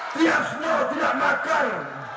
tiasno tidak makar